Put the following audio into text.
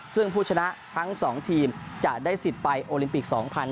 ซึ่งผู้ชนะทั้ง๒ทีมจะได้สิทธิ์ไปโอลิมปิก๒๐๑๖